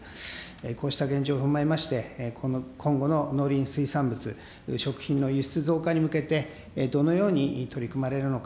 こうした現状を踏まえまして、今後の農林水産物、食品の輸出増加に向けて、どのように取り組まれるのか。